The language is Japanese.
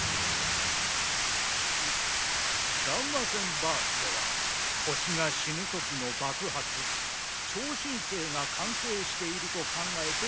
ガンマ線バーストは星が死ぬときの爆発超新星が関係していると考えていました。